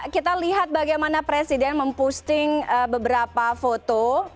kita lihat bagaimana presiden memposting beberapa foto